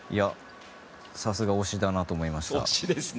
さすが推しだなと思いました。